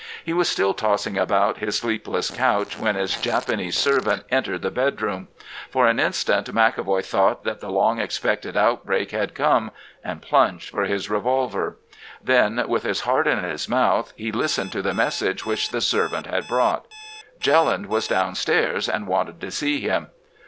He was still tossing upon his sleepless couch when his Japanese servant entered the bedroom. For an instant McEvoy thought that the long expected outbreak had come, and plunged for his revolver. Then, with his heart in his mouth, he listened to the message which the servant had brought. "Jelland was downstairs, and wanted to see him.